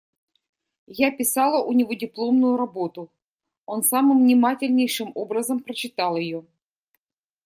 Я писала у него дипломную работу; он самым внимательнейшим образом прочитал ее.